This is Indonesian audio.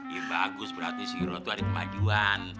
ya bagus berarti siro tuh ada pemajuan